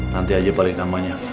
nanti aja balik namanya